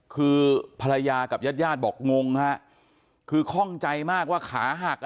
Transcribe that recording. คือภรรยากับญาติญาติบอกงงฮะคือข้องใจมากว่าขาหัก